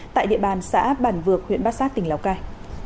tại địa bàn xã bản vược huyện bát sát tỉnh lào cai